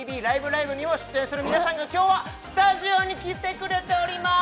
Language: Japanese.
ライブ！」にも出演する皆さんがきょうはスタジオに来てくれております